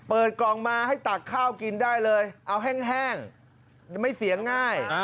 เปิดกล่องมาให้ตักข้าวกินได้เลยเอาแห้งไม่เสียงง่าย